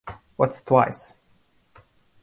What's Twice?